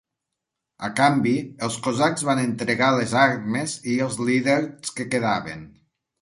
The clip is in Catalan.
A canvi, els cosacs van entregar les armes i els líders que quedaven.